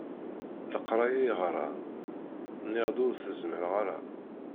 Leqraya i ɣran, nniɣ-d ur s-tezmireḍ ara.